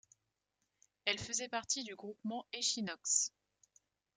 Elle faisait partie du groupement Echinox.